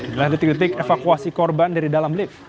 inilah detik detik evakuasi korban dari dalam lift